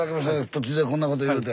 突然こんなこと言うて。